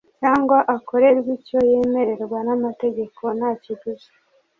cyangwa akorerwe icyo yemererwa n'amategeko nta kiguzi